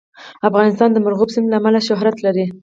افغانستان د مورغاب سیند له امله شهرت لري.